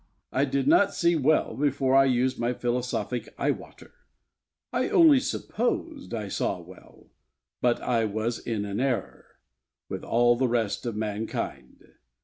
I did not see well before I used my philosophic eye water. I only supposed I saw well; but I was in an error, with all the rest of mankind.